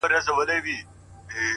زموږ او د ټولو مسلمانانو